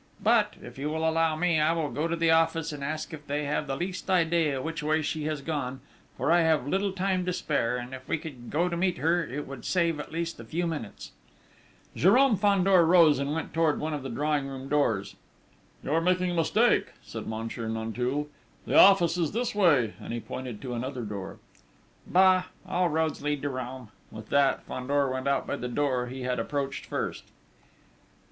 But, if you will allow me, I will go to the office and ask if they have the least idea of which way she has gone, for I have little time to spare, and if we could go to meet her, it would save, at least, a few minutes...." Jérôme Fandor rose and went towards one of the drawing room doors. "You are making a mistake," said Monsieur Nanteuil, "the office is this way," and he pointed to another door. "Bah! All roads lead to Rome!" With that, Fandor went out by the door he had approached first....